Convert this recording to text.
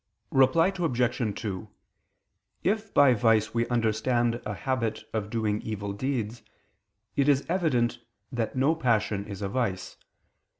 Reply Obj. 2: If by vice we understand a habit of doing evil deeds, it is evident that no passion is a vice.